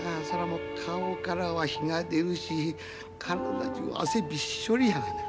もう顔からは火が出るし体じゅう汗びっしょりやがな。